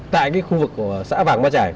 tại khu vực xã vàng ma trải